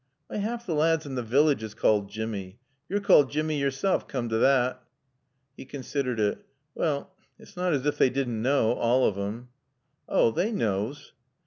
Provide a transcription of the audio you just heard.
"Why 'alf t' lads in t' village is called Jimmy. Yo're called Jimmy yourself, coom t' thot." He considered it. "Well it's nat as ef they didn' knaw all of 'em." "Oh they knaws!"